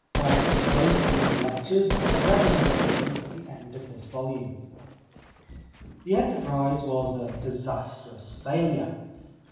Of both these lectures a yesum(^ appears at the end of this volume. The enterprise was a disastrous failure.